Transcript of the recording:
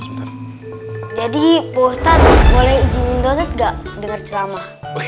jadi pak ustadz boleh izinin pak ustadz gak denger ceramah